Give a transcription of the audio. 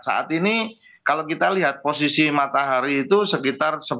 saat ini kalau kita lihat posisi matahari itu sekitar sepuluh